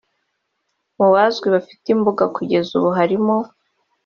Mu Bazwi bafite imbuga kugeza ubu harimo